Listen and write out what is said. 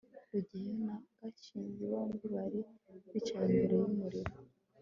rugeyo na gashinzi bombi bari bicaye imbere yumuriro